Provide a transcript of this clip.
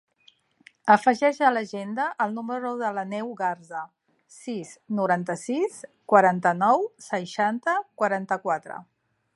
Afegeix a l'agenda el número de l'Àneu Garza: sis, noranta-sis, quaranta-nou, seixanta, quaranta-quatre.